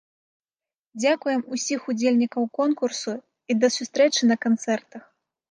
Дзякуем усіх удзельнікаў конкурсу і да сустрэчы на канцэртах!